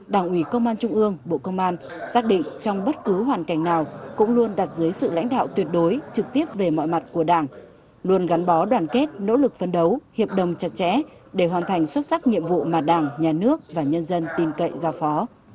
đảng ủy công an trung ương bộ công an xác định trong bất cứ hoàn cảnh nào cũng luôn đặt dưới sự lãnh đạo tuyệt đối trực tiếp về mọi mặt của đảng luôn gắn bó đoàn kết nỗ lực phân đấu hiệp đồng chặt chẽ để hoàn thành xuất sắc nhiệm vụ mà đảng nhà nước và nhân dân tin cậy giao phó